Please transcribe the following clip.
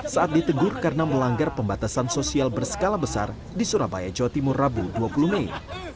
saat ditegur karena melanggar pembatasan sosial berskala besar di surabaya jawa timur rabu dua puluh mei